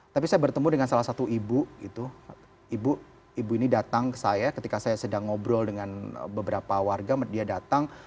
tapi saya bertemu dengan salah satu ibu ibu ini datang ke saya ketika saya sedang ngobrol dengan beberapa warga dia datang